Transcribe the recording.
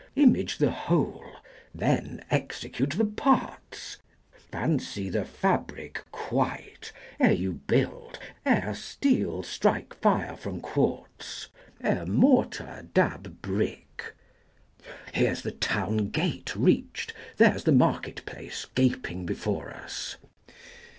Image the whole, then execute the parts Fancy the fabric 70 Quite, ere you build, ere steel strike fire from quartz. Ere mortar dab brick! (Here's the town gate reached: there's the market place Gaping before us.)